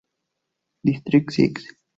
District Six.